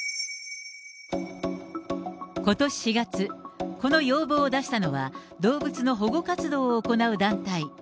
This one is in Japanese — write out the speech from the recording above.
ことし４月、この要望を出したのは、動物の保護活動を行う団体。